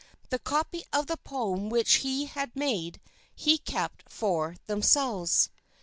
The copy of the poem which he had made, he kept for themselves.